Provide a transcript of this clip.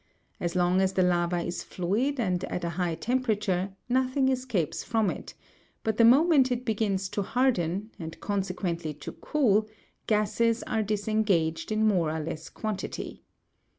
As long as the lava is fluid and at a high temperature nothing escapes from it, but the moment it begins to harden, and consequently to cool, gases are disengaged in more or less quantity.